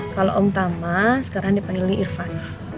kalau om tamah sekarang dipandeli irfan